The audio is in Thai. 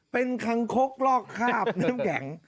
เป็นคังคกลอกคาบน้ำแข็ง